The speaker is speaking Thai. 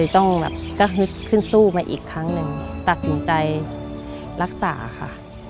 ต้องสู้มาอีกครั้งหนึ่งตัดสินใจรักษาค่ะ